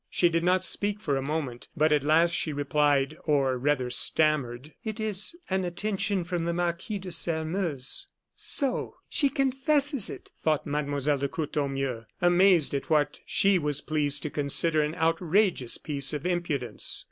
She did not speak for a moment, but at last she replied, or rather stammered: "It is an attention from the Marquis de Sairmeuse." "So she confesses it!" thought Mlle. de Courtornieu, amazed at what she was pleased to consider an outrageous piece of impudence.